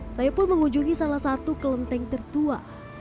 saya pun mengunjungi salah satu kelenteng tertua